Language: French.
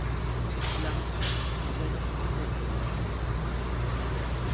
Le se jette dans cette baie.